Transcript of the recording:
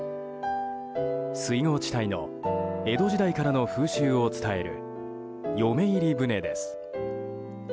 水郷地帯の江戸時代からの風習を伝える嫁入り舟です。